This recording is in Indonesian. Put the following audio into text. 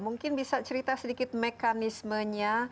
mungkin bisa cerita sedikit mekanismenya